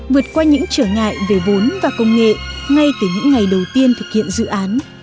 vượt qua những trở ngại về vốn và công nghệ ngay từ những ngày đầu tiên thực hiện dự án